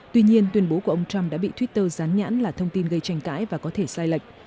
tuy nhiên tuyên bố của ông trump đã bị twitter rán nhãn là thông tin gây tranh cãi và có thể sai lệch